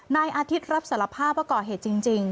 นายอาทิตย์รับสารภาพว่าก่อเหตุจริง